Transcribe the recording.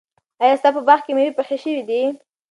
ایا ستا په باغ کې مېوې پخې شوي دي؟